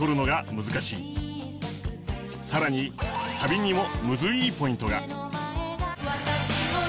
さらにサビにもムズいいポイントが。